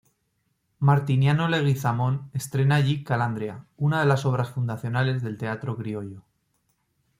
Martiniano Leguizamón estrena allí "Calandria", una de las obras fundacionales del teatro criollo.